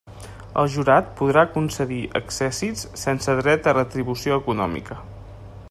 El jurat podrà concedir accèssits sense dret a retribució econòmica.